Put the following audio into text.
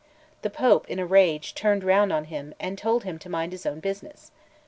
The Pope, in a rage, turned round on him, and told him to mind his own business.